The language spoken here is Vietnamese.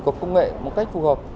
cộng công nghệ một cách phù hợp